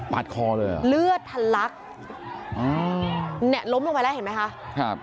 ดคอเลยเหรอเลือดทะลักอืมเนี่ยล้มลงไปแล้วเห็นไหมคะครับ